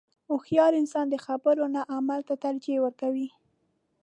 • هوښیار انسان د خبرو نه عمل ته ترجیح ورکوي.